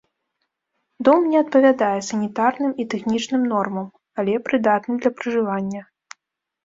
Дом не адпавядае санітарным і тэхнічным нормам, але прыдатны для пражывання.